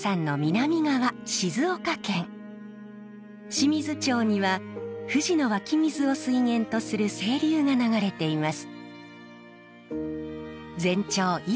清水町には富士の湧き水を水源とする清流が流れています。